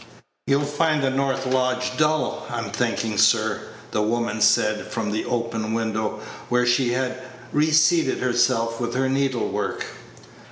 "You'll find the north lodge dull, I'm thinking, sir," the woman said, from the open window, where she had reseated herself with her needle work.